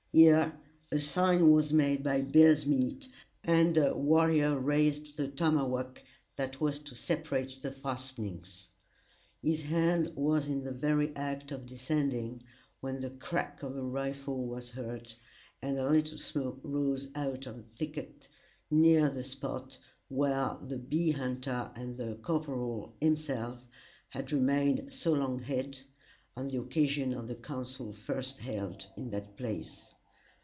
Here a sign was made by Bear's Meat, and a warrior raised the tomahawk that was to separate the fastenings. His hand was in the very act of descending, when the crack of a rifle was heard, and a little smoke rose out of the thicket, near the spot where the bee hunter and the corporal, himself, had remained so long hid, on the occasion of the council first held in that place.